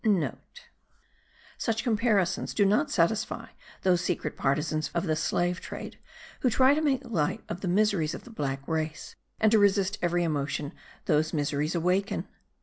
(* Such comparisons do not satisfy those secret partisans of the slave trade who try to make light of the miseries of the black race, and to resist every emotion those miseries awaken.